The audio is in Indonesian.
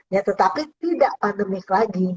ya tetapi tidak pandemik lagi